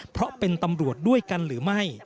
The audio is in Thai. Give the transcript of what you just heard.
เพราะเป็นตำรวจด้วยกันหรือไม่